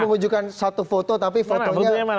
menunjukkan satu foto tapi fotonya